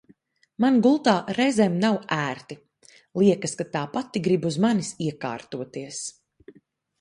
Man gultā reizēm nav ērti, liekas, ka tā pati grib uz manis iekārtoties.